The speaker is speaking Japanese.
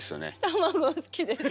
卵好きです。